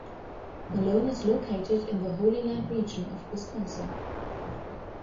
Malone is located in The Holyland region of Wisconsin.